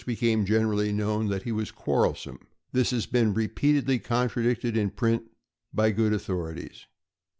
became generally known that he was quarrelsome. This has been repeatedly contradicted in print by good authori ties.